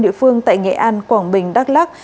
địa phương tại nghệ an quảng bình đắk lắc